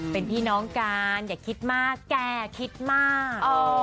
เป็นพี่น้องกันอย่าคิดมากแกคิดมาก